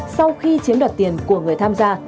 sau khi chiếm đoạt tiền của người tham gia